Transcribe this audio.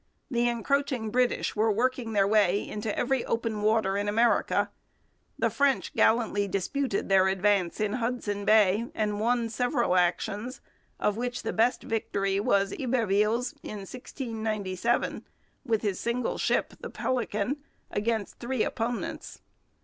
The encroaching British were working their way into every open water in America. The French gallantly disputed their advance in Hudson Bay and won several actions, of which the best victory was Iberville's in 1697, with his single ship, the Pélican, against three opponents.